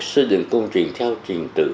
xây dựng công trình theo trình tự